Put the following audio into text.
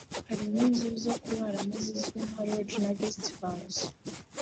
harimo inzu zo kuraramo zizwi nk’ama lodges na guest houses